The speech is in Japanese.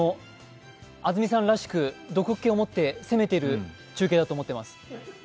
安住さんらしく毒っけをもって攻めてる中継だと思います。